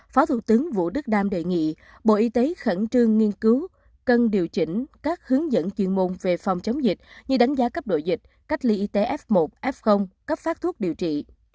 phó thủ tướng vũ đức đam đề nghị bộ y tế khẩn trương nghiên cứu cần điều chỉnh các hướng dẫn chuyên môn về phòng chống dịch như đánh giá cấp độ dịch cách ly y tế f một f cấp phát thuốc điều trị